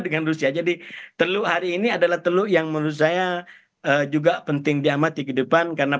dengan rusia jadi teluk hari ini adalah teluk yang menurut saya juga penting diamati ke depan karena